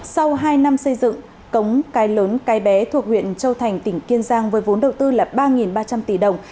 sau hai năm xây dựng cống cái lớn cái bé thuộc huyện châu thành tỉnh kiên giang với vốn đầu tư là ba ba trăm linh tỷ đồng